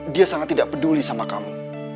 dia sangat tidak peduli sama kamu